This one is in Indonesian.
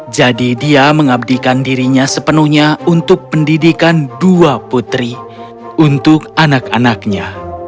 jadi dia mengabdikan dirinya sepenuhnya untuk pendidikan dua putri untuk anak anaknya